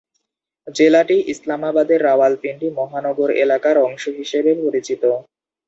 জেলাটি ইসলামাবাদের রাওয়ালপিন্ডি মহানগর এলাকার অংশ হিসেবে পরিচিত।